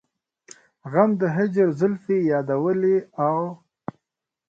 غم د هجر زلفې يادولې او